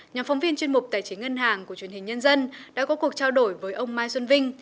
nhóm phóng viên chuyên mục tài chính ngân hàng của truyền hình nhân dân đã có cuộc trao đổi với ông mai xuân vinh